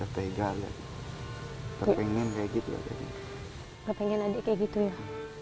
gak pengen adik kayak gitu ya